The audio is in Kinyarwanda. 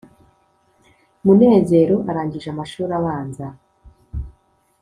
Munezero arangije amashuri abanza,